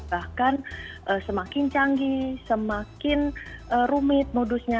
bahkan semakin canggih semakin rumit modusnya